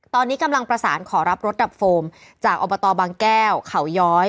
ตอนนี้กำลังประสานขอรับรถดับโฟมจากอบตบางแก้วเขาย้อย